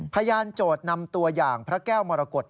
โจทย์นำตัวอย่างพระแก้วมรกฏ